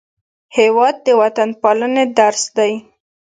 هېواد د وطنپالنې درس دی.